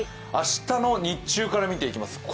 明日の日中から見ていきます。